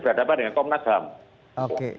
berhadapan dengan komnas ham